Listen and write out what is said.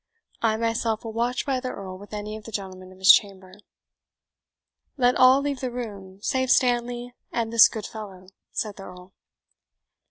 I myself will watch by the Earl with any of the gentlemen of his chamber." "Let all leave the room, save Stanley and this good fellow," said the Earl.